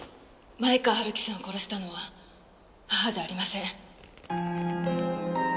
前川春樹さんを殺したのは母じゃありません。